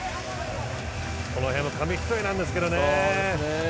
この辺は紙一重なんですけどね。